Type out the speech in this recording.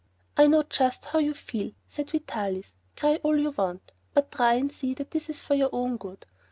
"I know just how you feel," said Vitalis; "cry all you want. But try and see that this is for your own good.